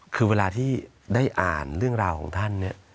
คือเวลาที่ได้อ่านเรื่องราวของท่านเนี่ย